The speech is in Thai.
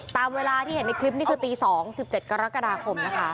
ตามเวลาที่เห็นในคลิปนี้คือตี๒๑๗กรกฎาคมนะคะ